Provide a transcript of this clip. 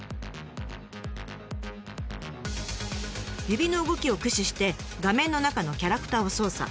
指の動きを駆使して画面の中のキャラクターを操作。